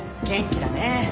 元気だね。